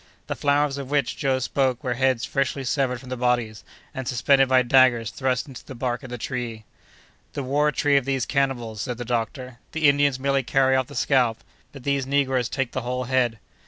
The flowers of which Joe spoke were heads freshly severed from the bodies, and suspended by daggers thrust into the bark of the tree. "The war tree of these cannibals!" said the doctor; "the Indians merely carry off the scalp, but these negroes take the whole head."